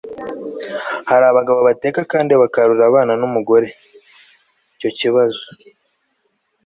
hari abagabo bateka kandi bakarurira abana n'umugore. icyo kibazo